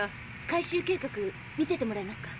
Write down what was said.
回収計画見せてもらえますか？